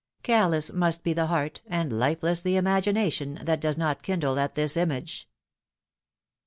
Callous must be the heaxt, and lifeless the imagination, that does not kindle at this image